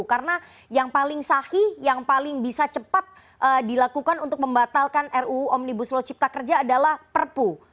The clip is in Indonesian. karena yang paling sahih yang paling bisa cepat dilakukan untuk membatalkan ruu omnibus law cipta kerja adalah perpu